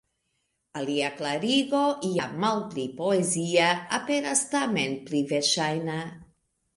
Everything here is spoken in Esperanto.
Alia klarigo, ja malpli poezia, aperas tamen pli verŝajna.